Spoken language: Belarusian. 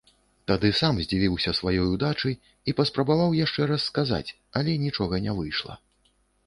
Тады сам здзівіўся сваёй удачы і паспрабаваў яшчэ раз сказаць, але нічога не выйшла.